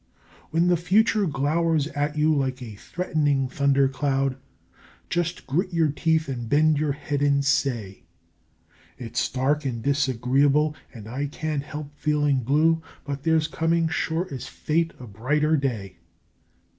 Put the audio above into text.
When the future glowers at you like a threatening thunder cloud, Just grit your teeth and bend your head and say: "It's dark and disagreeable and I can't help feeling blue, But there's coming sure as fate a brighter day!"